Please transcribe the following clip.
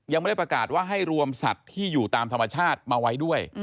ยังไม่ได้ประกาศว่าให้รวมสัตว์ที่อยู่ตามธรรมชาติมาไว้ด้วย